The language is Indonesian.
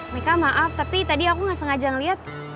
mika maaf tapi tadi aku gak sengaja ngeliat